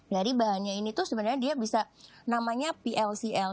dari bahannya ini tuh sebenarnya dia bisa namanya plcl